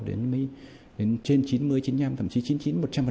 đến mấy trên chín mươi chín mươi năm thậm chí chín mươi chín một trăm linh